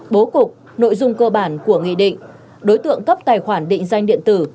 bố cục nội dung cơ bản của nghị định đối tượng cấp tài khoản định danh điện tử